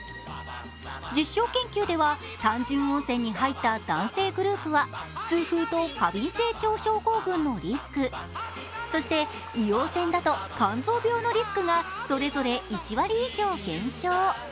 実証研究では単純温泉に入った男性グループは痛風と過敏性腸症候群のリスク、そして硫黄泉だと肝臓病のリスクがそれぞれ１割以上減少。